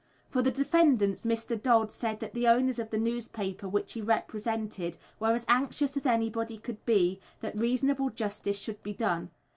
For the defendants Mr. Dodd said that the owners of the newspaper which he represented were as anxious as anybody could be that reasonable justice should be done.